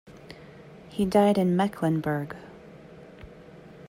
He died in Mecklenburg.